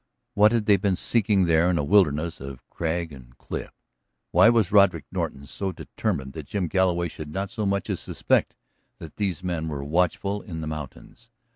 What had they been seeking there in a wilderness of crag and cliff? Why was Roderick Norton so determined that Jim Galloway should not so much as suspect that these men were watchful in the mountains?